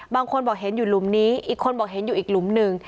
บางคนบอกเห็นอยู่หลุมนี้อีกคนบอกเห็นอยู่อีกหลุมหนึ่ง